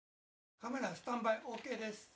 カメラスタンバイオーケーです。